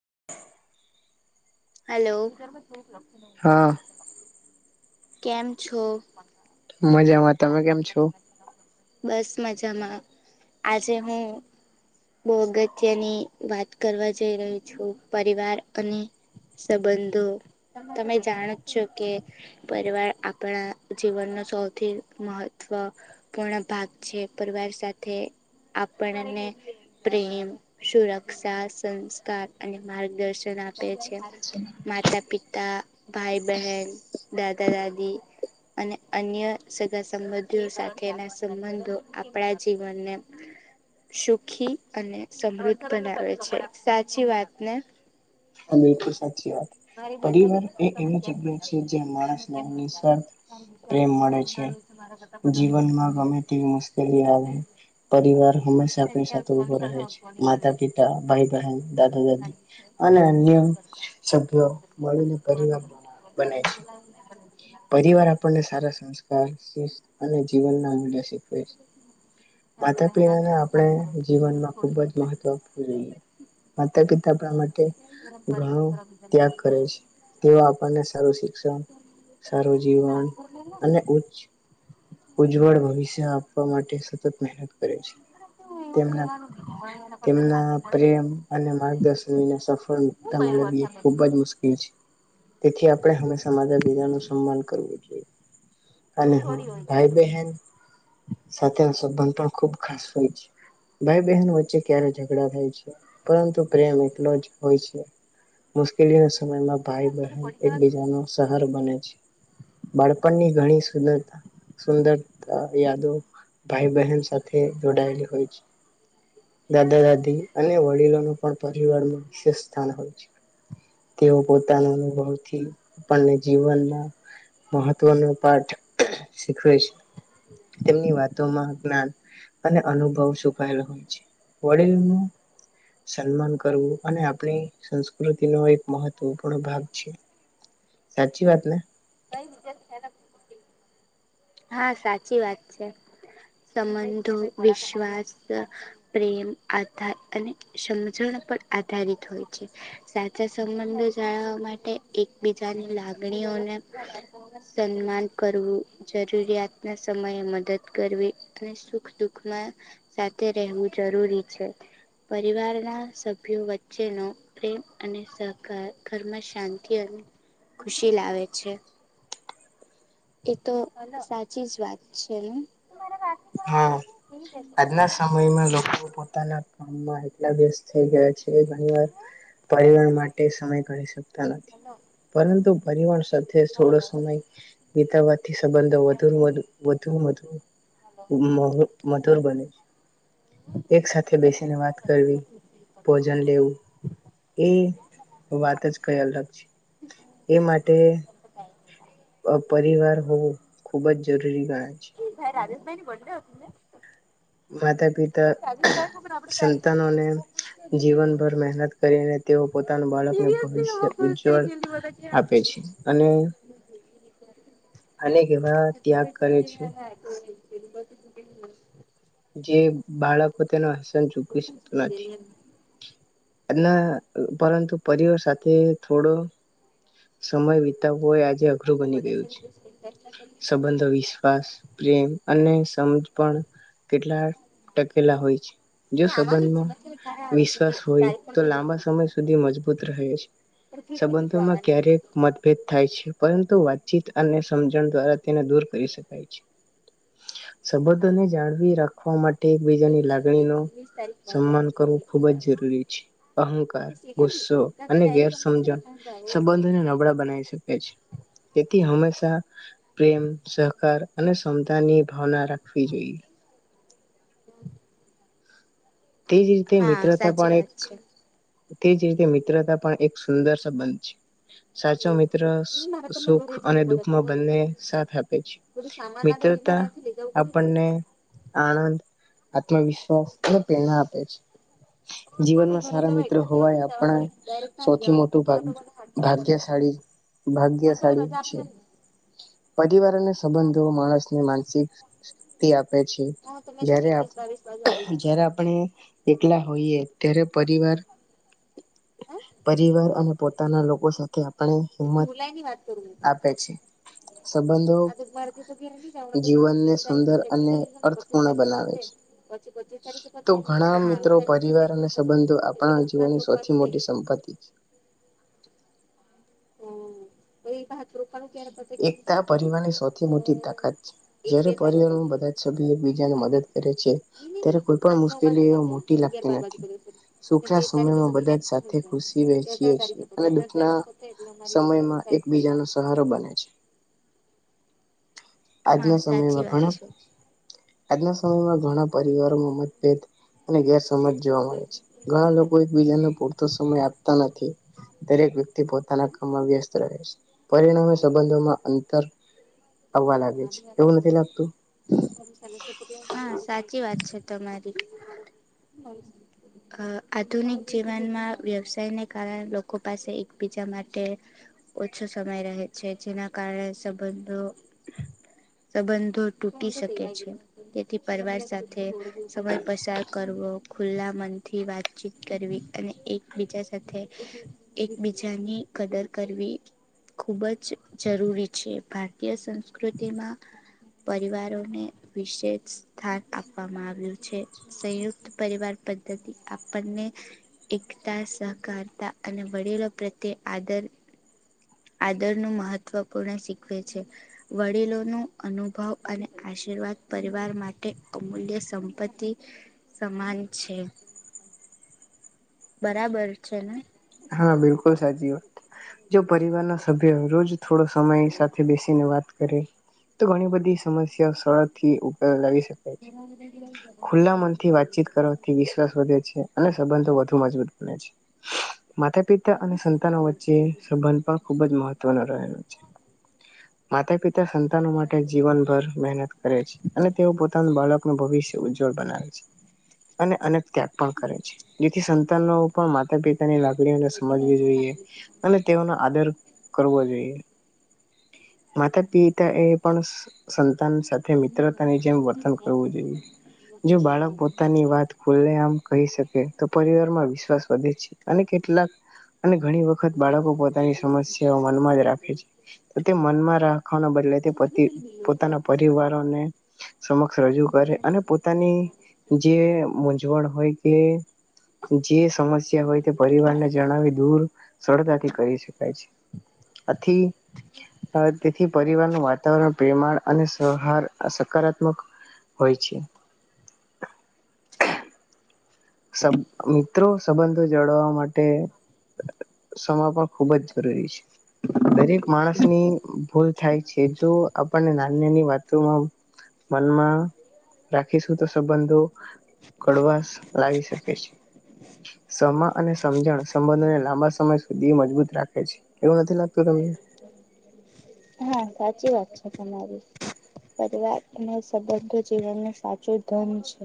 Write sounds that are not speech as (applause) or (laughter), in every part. (inaudible) Hello હા (inaudible) કેમ છો મજામાં તમે કેમ છો બસ મજામાં આજે હું બહ અગત્યની વાત કરવા જઈ ર્યો છું પરિવાર અને સંબંધો તમે જાણ જ છો કે પરિવાર આપણા જીવનનો સૌથી મહત્વપૂર્ણ ભાગ છે પરિવાર સાથે આપણને પ્રેમ સુરક્ષા સંસ્કાર અને માર્ગદર્શન આપે છે માતા પિતા ભાઈ બહેન દાદા દાદી અને અન્ય સગા સંબંધીઓ સાથેના સંબંધો આપણા જીવનને સુખી અને સમૃદ્ધ બનાવે છે સાચી વાતને બલુલ સા વા પરિવાર એ એવી જગ્યા છે જે માણસને નિસ્વાથ પ્રેમ મળે છે જીવનમાં ગમે તેવી મુશ્કેલી આવે પરિવાર હંમેશા આપણી સાથે ઉભો રહે છે માતા પિતા ભાઈ બહેન દાદા દાદી અને અમ સભ્યો મળીને પરિવાર બને છે પરિવાર આપણને સારા સંસ્કાર શિસ્ શિખડાવે છે જીવન માં માતા પિતાને આપણે જીવનમાં ખુબ જ મહત્વ આપવું જોઈએ માતા પિતા આપણા માટે ઘણો ત્યાગ કરે છે તેઓ આપણને સારું શિક્ષણ સારું જીવન અને ઉચ્ચ ઉજ્જવળ ભવિષ્ય આપવા માટે સતત મહેનત કરે છે તેમના તેમના પ્રેમ અને માર્ગદર્શનને સફળતા મેળવી ખુબ જ મુશ્કેલ છે તેથી આપણે હંમેશા માતા પિતા નુ હાલ કરવો જોઈએ અને હા ભાઈ બહેન સાથેનો સંબંધ પણ ખુબ ખાસ હોય છે ભાઈ બહેન વચ્ચે ક્યારે ઝઘડા થાય છે પરંતુ પ્રેમ એટલો જ હોય છે મુશ્કેલી સમય સમયમાં ભાઈ બહેન એકબીજા ન સહારો બને છે બાળપણની ઘણી સુંદરતા સુંદરતા યાદો ભાઈ બહેન સાથે જોડાયેલી હોય છે દાદા દાદી અને વડીલોનું પણ પરિવારમાં વિશેષ સ્થાન હોય છે તેઓ પોતાના અનુભવથી આપણને જીવનમાં મહત્વનો પાઠ શીખવે છે તેમની વાતોમાં જ્ઞાન અને અનુભવ છુપાયેલો હોય છે વડીલો ન સન્માન કરવું અને આપણી સંસ્કૃતિનો એક મહત્વપૂર્ણ ભાગ છે સાચી વાત ને ભહી (inaudible) હા સાચી વાત છે સંબંધો વિશ્વાસ પ્રેમ આધાર અને સમજણ પર આધારિત હોય છે સાચા સંબંધો જાળવવા માટે એકબીજાની લાગણીઓને સન્માન કરવું જરૂરિયાતના સમયે મદદ કરવી અને સુખ દુખમાં સાથે રહેવું જરૂરી છે પરિવારના સભ્યો વચ્ચેનો પ્રેમ અને સહકાર ઘરમાં શાંતિ અને ખુશી લાવે છે એતો સાચી જ વાત છે એ હા આજના સમયમાં લોકો પણ પોતાના કામમાં એટલા વ્યસથ થઈ ગયા છે ઘણી વાર પરિવાર માટે સમય કાઢી સકતુ નથી ના ના પરંતુ પરિવર સાથે થોડો સમય ગીતાવાથી સંબંધો વધુ વધુ વધુ (inaudible) (inaudible) મઘૂર બને છે એક સાથે બેસીને વાત કરવી ભોજન લેવું એ વાત જ કઈ અલગ છે એ માટે પરિવાર હોવો ખૂબ જ જરૂરી ગણાય છે હરસ ભાઈ ની બથૅડે હતું ને હ (inaudible) પિતા સંતાનોને જીવનભર મહેનત કરીને તેઓ પોતાના બાળકને ભવિષ્ય ઉજ્જવળ આપે છે અને અનેક એવા ત્યાગ કરે છે એબ (inaudible) જે બાળકો તેનો હશે પણ ચૂકવી શકતા નથી ના પરંતુ પરિવાર સાથે થોડો સમય વિતાવ હોય આજે અઘરું બની ગયું છે સંબંધ વિશ્વાસ પ્રેમ અને સમજ પણ કેટલા ટકેલા હોય છે જો સંબંધમાં વિશ્વાસ હોય તો લાંબા સમય સુધી મજબૂત રહે છે સંબંધોમાં ક્યારેક મતભેદ થાય છેુ પરંતુ તો વાતચીત અને સમજણ દ્વારા તેને દૂર કરી શકાય છે સંબંધોને જાણવી રાખવા માટે એકબીજાની લાગણી નો સન્માન કરવું ખૂબ જ જરૂરી છે અહંકાર ગુસ્સો અને ગેરસમજણ સંબંધને નબળા બનાવી શકે છે તેથી હંમેશા પ્રેમ સહકાર અને ક્ષમતા ની ભાવના રાખવી જોઈએ. (unintelligible) તેજ રીતે હા મિત્રતા સાચી પણ એક વાત છે તે જ રીતે મિત્રતા પણ એક સુંદર સંબંધ છે. સાચો મિત્ર સુખ અને દુખમાં બંને સાથ આપે છે, મિત્રતા આપણને આનંદ આત્મવિશ્વાસ ના આપે છે. જીવનમાં સારા મિત્રો હોવા એ આપણા સૌથી મોટુ (unintelligible) ભાગ્યશાળી ભાગ્યશાળી છે, પરિવાર અને સંબંધો માણસને માનસિક આપે છે. જ્યારે જ્યારે એકલા હોઈએ ત્યારે પરિવાર પરિવાર અને પોતાના લોકો સાથે આપણે હિંમત જુલાઈ ની વાત કરું આપે છે સંબંધો આ મારે તો જીવનને જીસ તારીખથી સુંદર અને પ્રેક્ટલને પચીસ અર્થપૂર્ણ તારીખથી બનાવે પોતે છે પછી પચીસ તારીખે. તો ઘણા મિત્રો પરિવાર અને સંબંધો આપણા જીવનની સૌથી મોટી સંપત્તિ છે. હમ એ (unintelligible) એકતા પરિવારની સૌથી મોટી તાકાત છે, (unintelligible) પરિવારમાં બધા જ સભ્ય એકબીજાને મદદ કરે છે, ત્યારે કોઈ પણ મુશ્કેલી મોટી લાગતી નથી સુખના સમયમાં બધા સાથે ખુશી વહેચીએ છીએ અને દુખના. સમયમાં એકબીજાનો સહારો બને છે. હા આજના સાચી સમયમાં વાત ઘણા છે. આજના સમયમાં ઘણા પરિવારો. (inaudible) અને ગેરસજ જોવા મળે છે, ઘણા લોકો એકબીજાને પૂરતો સમય આપ નથી દરેક વ્યક્તિ પોતાના કામમાં વ્યસ્ત રહે છે, પરિણામે સંબંધોમાં અંતર આવવા લાગે છે એવું નથી લાગતું (unintelligible) હા સાચી વાત છે, તમારી આધુનિક જીવનમાં વ્યવસાયને કારણે લોકો પાસે એકબીજા માટે ઓછો સમય રહે છે, જેના કારણે સંબંધો સંબંધો તૂટી શકે છે, તેથી પરિવાર સાથે. સમય (unintelligible) કરવો ખુલ્લા મનથી વાતચીત કરવી અને એકબીજા સાથે એકબીજાની કદર કરવી ખૂબ જ જરૂરી છે. ભારતીય સંસ્કૃતિ પ્રકૃતિમાં પરિવારોને વિશેષ સ્થાન આપવામાં આવ્યું છે, સંયુક્ત પરિવાર પદ્ધતિ આપણને એકતા સહકારતા અને વડીલો પ્રત્યે આદર આદર ન મહત્વપૂર્ણ શીખવે છે, વડીલો નો અનુભવ અને આશીર્વાદ પરિવાર માટે અમૂલ્ય સંપત્તિ સમાન છે. બરાબર છે, ને હા બિલકુલ સાચી વાત જો પરિવાર ના સભ્ય રોજ થોડો સમય સાથે બેસીને વાત કરે તો ઘણી બધી સમસ્યા સરળ થી (unintelligible) લાવી ખુલ્લા મનથી વાતચીત કરવાથી વિશ્વાસ વધે છે. અને સંબંધો વધુ મજબૂત બને છે. માતા પિતા અને સંતાનો વચ્ચે સંબંધ પણ ખુબ જ મહત્વનો હતો. રહ્યો છે, માતા પિતા તે સંતાનો માટે જીવનભર મહેનત કરે છે, અને તેઓ પોતાનું બાળક નો ભવિષ્ય ઉજ્જવ બનાવે છે અને અનેક ત્યાગ પણ કરે છે જેથી સંતાનો પણ માતા પિતાને લા લાગણીઓ ને સમજવી જોઈએ અને તેઓનો આદર કરવો જોઈએ માતા પિતા એ પણ સં સંતા તન સાથે મિત્રતાની જેમ વર્તન કરું જોઈએ જો બાળક પોતાની વાત ખુલ્લે આમ કહી શકે તો પરિવાર માં વિશ્વાસ તબે છે અને કેટ કેટલાક અને ઘણી વખત બાળકો પોતાની સમસ્યાઓ મનમાં જ રાખે છે તે મનમાં રાખવાના બદલે તે પતિ પોતાના પરિવારોને સમક્ષ રજૂ કરે અને પોતાની જે મૂઝવણ હોય. એ જે સમસ્યા હોય તે અને જણાવી દૂર સરગાથી કરી શકાય છે આત થી આ તેથી પરિવારનું વાતાવરણ પ્રેમાળ અને સહકાર અસરકારક હોય છે. સબ મિત્રો સંબંધો જાળવવા માટે સમા પણ ખૂબ જ જરૂરી છે દરેક માણસની ભૂલ થાય છે જો આપણને નાની નાની વાતોમાં મનમાં રાખીશું તો સંબંધો કડવાશ લાવી શકે છે સમા અને સમજણ સંબંધને લાંબા સમય સુધી મજબૂત રાખે છે એવું નથી લાગતું તમને. હા સાચી વાત છે તમારી પરિવાર અને સંબંધો જીવનનું સાચું ધૂમ છે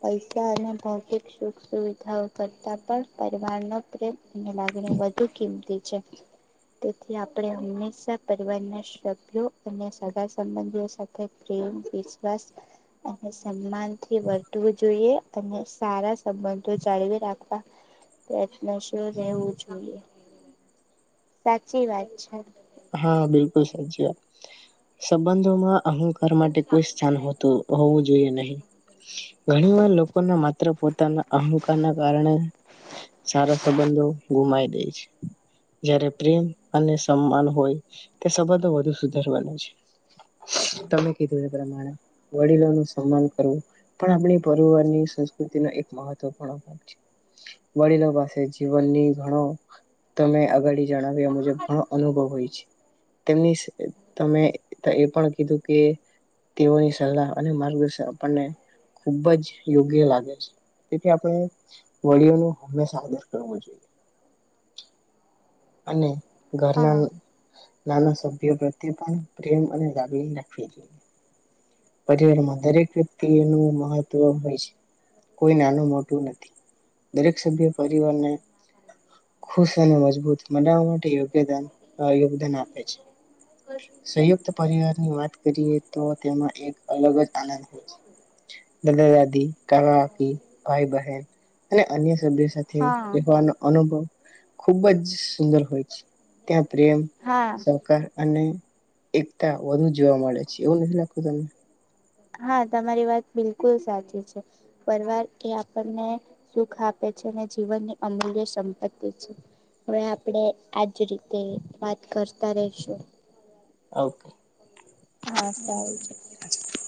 પૈસા અને ભૌતિક સુખ સુવિધાઓ કરતા પણ પરિવારનો પ્રેમ અને લાગણી વધુ કિંમતી છે તેથી આપણે હંમેશા પરિવારને સભ્યો અને સગા સંબંધી સાથે પ્રેમ વિશ્વાસ અને સન્માનથી વર્તવું જોઈએ અને સારા સંબંધો જાળવી રાખવા પ્રયત્નશીલ રહેવું જોઈએ. સાચી વાત છે. હા બિલકુલ સાચી વાત સંબંધોમાં અહંકાર માટે કોઈ સ્થાનતું હોવું જોઈએ નહી ઘણી વાર લોકોના માત્ર પોતાના અહંકાર ના કારણે સારા સંબંધો ગુમાય દે છે. જયારે પ્રેમ અને સમાન હોય તો સબંધો વધુ સુધારવાનું છે તમે કીધું એ પ્રમાણે વડીલોનું સન્માન કરવું પણ આપણી પરિવારની સંસ્કૃતિનો એક મહત્વપૂર્ણ ભાગ છે વડીલો પાસે જીવનની ઘણો તમે અગડી જણાવ્યા મુજબ ઘણો અનુભવ હોય તેમની તમે એ પણ કીધું કે તેઓની સલાહ અને માર્ગદર્શન આપણને ખુબ જ યોગ્ય લાગે છે તેથી આપણે વડીઓ ન હંમેશા આદર કરવો જોઈએ. અને. ઘરનાન હા નાના સભ્યો પ્રત્યે પણ પ્રેમ અને લાગી રાખવી જોઈએ. પરિવારમાં દરેક વ્યક્તિનું મહત્વ હોય છે કોઈ નાનું મોટું નથી દરેક સભ્ય પરિવારને ખુશ અને મજબૂત મનાવવા માટે યોગ્યાન યોગદાન આપે છે સંયુક્ત પરિવારની વાત કરીએ તો તેમાં એક અલગ જ આનંદ હોય છે દાદા દાદી કાકા કાકી ભાઈ બહેન અને અન્ય તેમની સાથે હા રહેવાનો અનુભવ ખુબ જ સુંદર હોય છે ત્યાં પ્રેમ હા સહકાર અને એકતા વધુ જોવા મળે છે એવું નથી લખતું તમને. હા તમારી વાત બિલકુલ સાચી છે પરીવાર એ આપણને સુખ આપે છે અને જીવનની અમૂલ્ય સંપત્તિ છે હવે આપણે આજ રીતે વાત કરતા રહેશું. ઓકે. સારું છે અચ્છા. (inaudible)